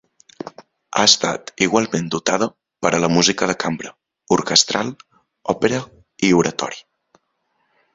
Ha estat igualment dotada per a la música de cambra, orquestral, òpera, i oratori.